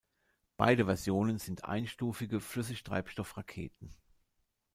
Beide Versionen sind einstufige Flüssigtreibstoff-Raketen.